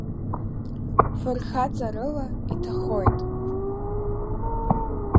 Фырхаҵарыла иҭахоит…